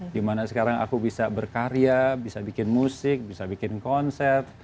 dimana sekarang aku bisa berkarya bisa bikin musik bisa bikin konsep